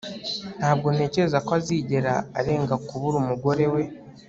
ntabwo ntekereza ko azigera arenga kubura umugore we